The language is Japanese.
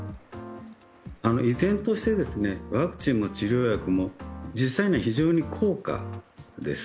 依然としてワクチンも治療薬も実際には非常に高価です。